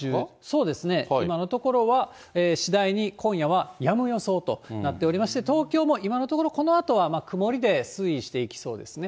そうですね、今のところは、次第に今夜はやむ予想となっておりまして、東京も今のところ、このあとは曇りで推移していきそうですね。